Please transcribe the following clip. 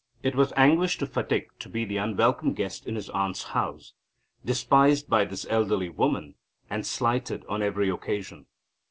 It was anguish to Phatik to be the unwelcome guest in his aunt's house, despised by this elderly woman, and slighted, on every occasion.